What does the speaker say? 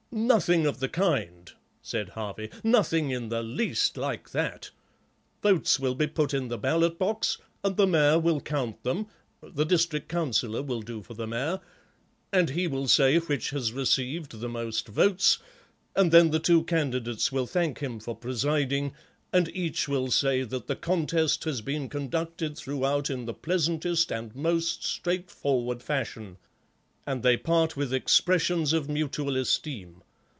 "Nothing of the kind," said Harvey, "nothing in the least like that. Votes will be put in the ballot box, and the Mayor will count them—and he will say which has received the most votes, and then the two candidates will thank him for presiding, and each will say that the contest has been conducted throughout in the pleasantest and most straightforward fashion, and they part with expressions of mutual esteem.